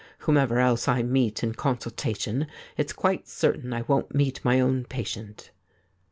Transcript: ' Whomever else I meet in con sultation^ it's quite certain I won't meet my own patient.'